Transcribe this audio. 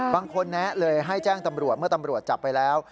แคนแนะเลยให้แจ้งตำรวจเมื่อตำรวจจับไปแล้ว